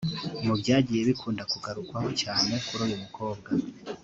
Mu byagiye bikunda kugarukwaho cyane kuri uyu mukobwa